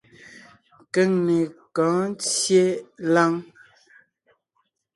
Keŋne kɔ̌ɔn ńtyê láŋ.